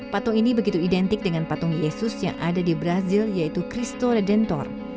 patung ini begitu identik dengan patung yesus yang ada di brazil yaitu christo redentor